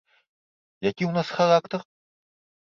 Які ў нас характар?